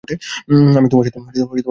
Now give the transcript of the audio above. আমি তোমার সাথে কী আচরণ করতে পারি?